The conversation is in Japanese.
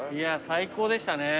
最高でした。